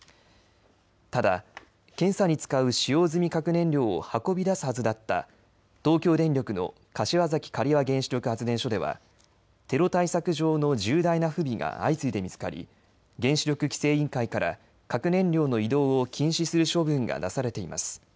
ただ、検査に使う使用済み核燃料を運び出すはずだった東京電力の柏崎刈羽原子力発電所ではテロ対策上の重大な不備が相次いで見つかり原子力規制委員会から核燃料の移動を禁止する処分が出されています。